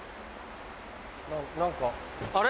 何かあれ？